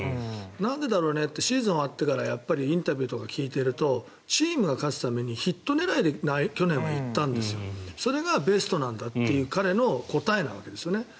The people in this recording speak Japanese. なんでだろうねってシーズン終わってからやっぱりインタビューとか聞いてるとチームが勝つためにヒット狙いで去年はいったんですそれがベストなんだという彼の答えなわけですよね。